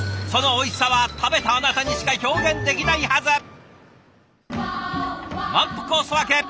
そのおいしさは食べたあなたにしか表現できないはず。